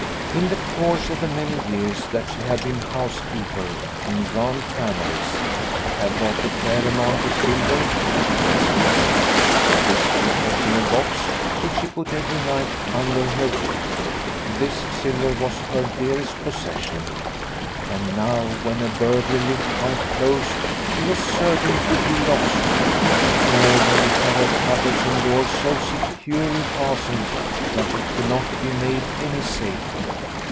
In the course of the many years that she had been housekeeper in grand families she had got a fair amount of silver as presents, and this she kept in a box which she put every night under her bed. This silver was her dearest possession, and now when a burglar lived quite close, she was certain it would be lost. She already had her cupboards and doors so securely fastened that they could not be made any safer.